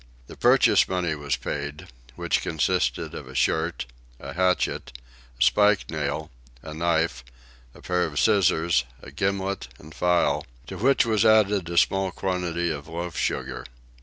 The purchase money was paid, which consisted of a shirt, a hatchet, a spike nail, a knife, a pair of scissors, a gimlet, and file; to which was added a small quantity of loaf sugar.